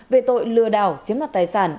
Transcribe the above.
về tội lừa đảo chiếm loạt tài sản